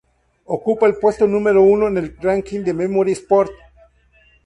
Ocupa el puesto número uno en el ranking de Memory Sports.